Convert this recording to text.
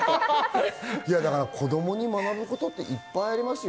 子供に学ぶことっていっぱいありますよ。